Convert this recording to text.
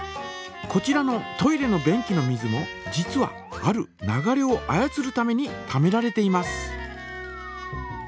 こちらのトイレの便器の水も実はある流れを操るためにためられています。